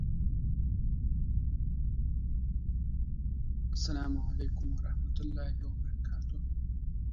The Loyalsock creek runs through Hillsgrove and parts of Sullivan County as well.